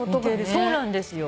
そうなんですよ。